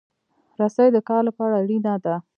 رسۍ د کار لپاره اړینه ده.